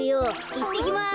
いってきます。